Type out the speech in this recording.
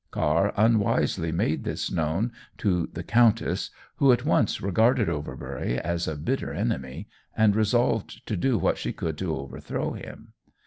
Carr unwisely made this known to the countess, who at once regarded Overbury as a bitter enemy, and resolved to do what she could to overthrow him.